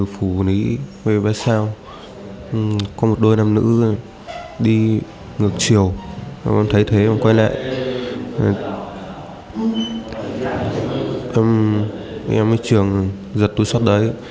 khi đến địa phận tổ hai thị trấn ba sao phát hiện một đôi nam nữ đi mô tô cùng chiều vài đeo túi sách